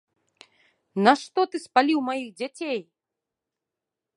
Нашто ты спаліў маіх дзяцей!